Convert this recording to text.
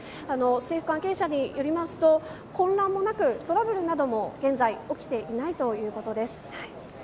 政府関係者によりますと混乱もなくトラブルなども現在は起きていないということです。